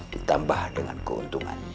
ditambah dengan keuntungannya